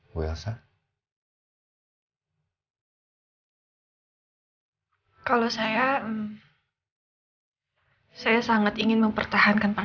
bahkan saya sudah melakukan talak secara agama